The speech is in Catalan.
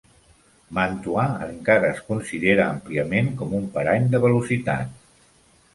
Mantua encara es considera àmpliament com un parany de velocitat.